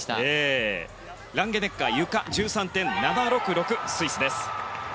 ランゲネッガーゆか、１３．７６６スイスです。